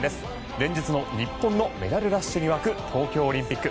連日の日本のメダルラッシュに沸く東京オリンピック。